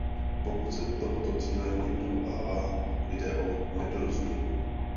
Pokud se tohoto cíle někdo obává, jde o nedorozumění.